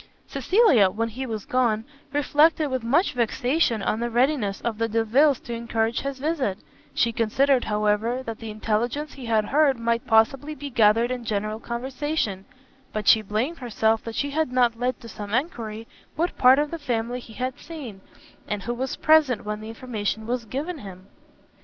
Cecilia, when he was gone, reflected with much vexation on the readiness of the Delviles to encourage his visit; she considered, however, that the intelligence he had heard might possibly be gathered in general conversation; but she blamed herself that she had not led to some enquiry what part of the family he had seen, and who was present when the information was given him.